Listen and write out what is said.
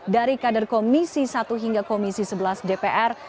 dari kader komisi satu hingga komisi sebelas dpr